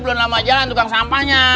belum lama jalan tukang sampahnya